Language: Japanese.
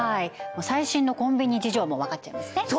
もう最新のコンビニ事情も分かっちゃいますね